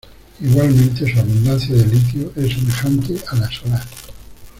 Igualmente su abundancia de litio es semejante a la solar.